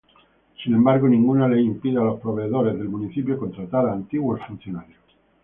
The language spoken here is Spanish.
Sin embargo, ninguna ley impide a los proveedores del municipio contratar a antiguos funcionarios.